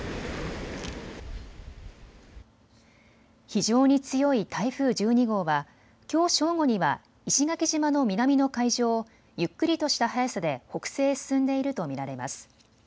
非常に強い台風１２号はきょう正午には石垣島の南の海上をゆっくりとした速さで北西へ進んでいると見られます。